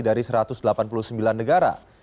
dari satu ratus delapan puluh sembilan negara